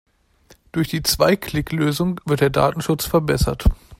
Durch die Zwei-Klick-Lösung wird der Datenschutz verbessert.